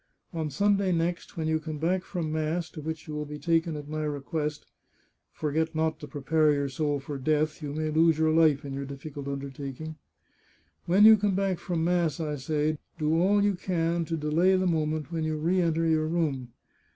On Sunday next, when you come back from mass, to which you will be taken at my request — forget not to prepare your soul for death ; you may lose your life in your difficult undertaking — when you come back from mass, I say, do all you can to delay the moment when you re enter your room.